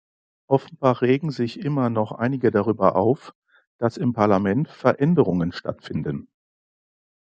Offenbar regen sich immer noch einige darüber auf, dass im Parlament Veränderungen stattfinden.